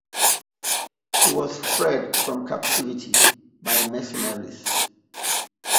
He was freed from captivity by mercenaries.